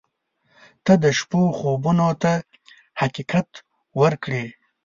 • ته د شپو خوبونو ته حقیقت ورکړې.